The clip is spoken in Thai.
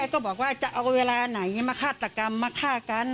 ก็บอกว่าจะเอาเวลาไหนมาฆาตกรรมมาฆ่ากัน